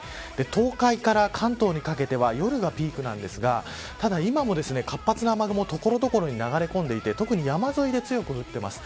東海から関東にかけては夜がピークなんですがただ、今も活発な雨雲所々に流れ込んでいて特に山沿いで強く降っています。